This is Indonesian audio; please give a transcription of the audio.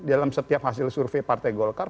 dalam setiap hasil survei partai golkar